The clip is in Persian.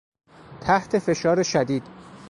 تحت فشار شدید